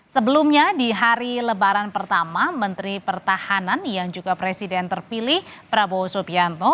sebelumnya di hari lebaran pertama menteri pertahanan yang juga presiden terpilih prabowo subianto